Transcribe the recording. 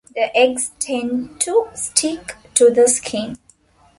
The eggs tend to stick to the skin.